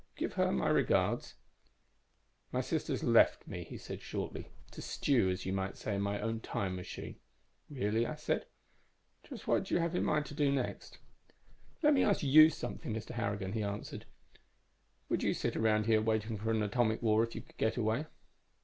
Give her my regards.' "'My sister's left me,' he said shortly, 'to stew, as you might say, in my own time machine.' "'Really?' I said. 'Just what do you have in mind to do next?' "'Let me ask you something, Mr. Harrigan,' he answered. 'Would you sit around here waiting for an atomic war if you could get away?'